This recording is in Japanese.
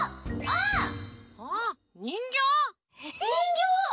にんぎょう！あ？